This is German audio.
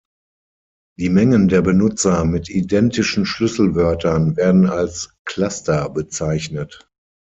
Die Mengen der Benutzer mit identischen Schlüsselwörtern werden als "Cluster" bezeichnet.